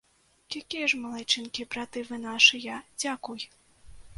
Якія ж малайчынкі, браты вы нашыя, дзякуй!